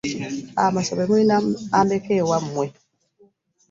Amasomero mulina ameka ewammwe?